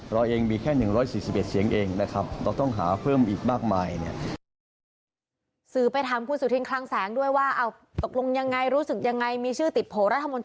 เราเองมีแค่๑๔๑เสียงเองนะครับ